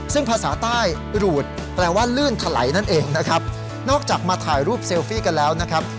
ซึ่งภาษาใต้รูดแปลว่าลื่นถลายนั่นเองนะครับนอกจากมาถ่ายรูปเซลฟี่กันแล้วนะครับ